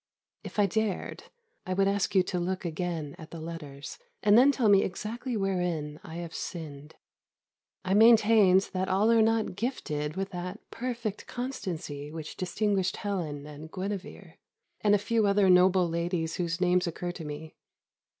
If I dared, I would ask you to look again at the letters, and then tell me exactly wherein I have sinned. I maintained that all are not gifted with that perfect constancy which distinguished Helen and Guinevere, and a few other noble ladies whose names occur to me.